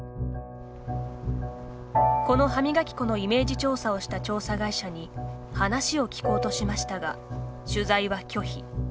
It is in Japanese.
この歯磨き粉のイメージ調査をした調査会社に話を聞こうとしましたが取材は拒否。